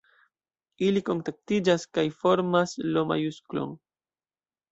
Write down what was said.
Ili kontaktiĝas kaj formas L-majusklon.